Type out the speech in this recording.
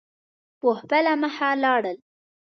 په خپله مخه ولاړل.